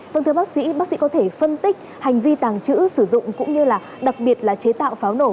vâng thưa bác sĩ bác sĩ có thể phân tích hành vi tàng trữ sử dụng cũng như là đặc biệt là chế tạo pháo nổ